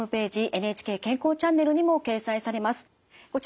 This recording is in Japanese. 「ＮＨＫ健康チャンネル」にも掲載されます。